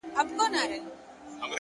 د نورو مرسته انسان ستر کوي.!